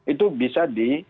itu bisa di